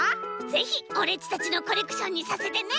ぜひオレっちたちのコレクションにさせてね！